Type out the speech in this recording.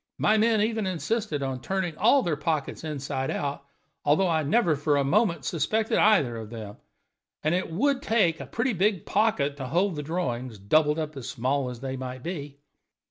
My men even insisted on turning all their pockets inside out, although I never for a moment suspected either of them, and it would take a pretty big pocket to hold the drawings, doubled up as small as they might be."